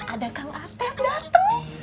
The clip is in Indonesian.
ada kang ateb dateng